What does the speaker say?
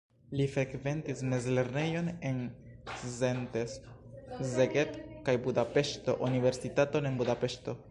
Li frekventis mezlernejojn en Szentes, Szeged kaj Budapeŝto, universitaton en Budapeŝto.